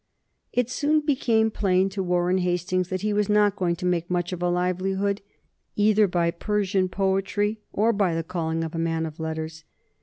It soon became plain to Warren Hastings that he was not going to make much of a livelihood either by Persian poetry or by the calling of a man of letters.